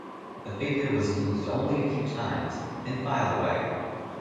The figure was used only a few times, then filed away.